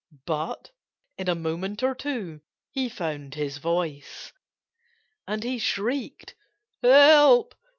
But in a moment or two he found his voice. And he shrieked "Help!